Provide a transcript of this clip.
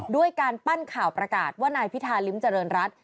ด้วยการปั้นข่าวประกาศว่านายพิธาริมเจริญรัฐ